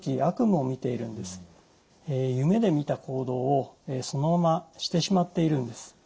夢でみた行動をそのまましてしまっているんです。